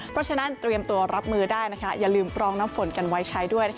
เพราะฉะนั้นเตรียมตัวรับมือได้นะคะอย่าลืมปรองน้ำฝนกันไว้ใช้ด้วย